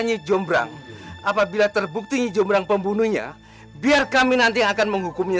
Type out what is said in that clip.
nibu cobrang apabila terbukti nibu cobrang pembunuhnya biar kami nanti akan menghukumnya